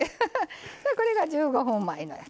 これが１５分前のやつ。